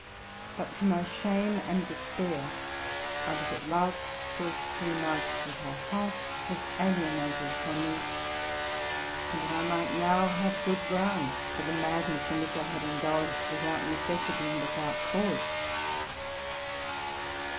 But, to my shame and despair, I was at last forced to remark that her heart was alienated 236 TRUTH AND FICTION from me, and that I might now have good ground for the madness in which I had indulged without necessity and with out cause.